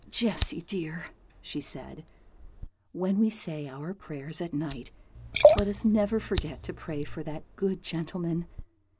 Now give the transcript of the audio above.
"Jessy dear," she said, "when we say our prayers at night, let us never forget to pray for that good gentleman.